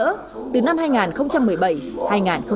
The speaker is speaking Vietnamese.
vì chúng đều đã bị phá rỡ